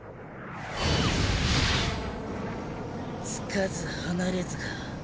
つかず離れずか。